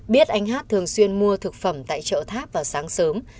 biết anh hát thường xuyên mua thực phẩm tại chợ tháp vào sáng sớm